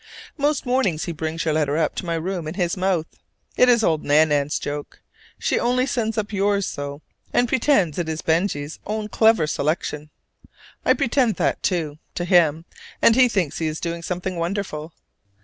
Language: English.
Most mornings he brings your letter up to my room in his mouth. It is old Nan nan's joke: she only sends up yours so, and pretends it is Benjy's own clever selection. I pretend that, too, to him; and he thinks he is doing something wonderful.